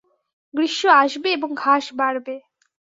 গ্রিষ্ম আসবে এবং ঘাস বাড়বে।